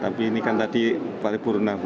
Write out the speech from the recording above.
tapi ini kan tadi paripurna